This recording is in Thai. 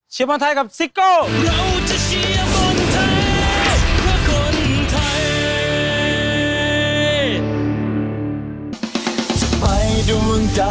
เชียวบอลไทยกับซิโก้